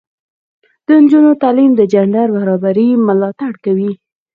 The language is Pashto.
د نجونو تعلیم د جنډر برابري ملاتړ کوي.